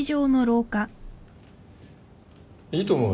いいと思うよ。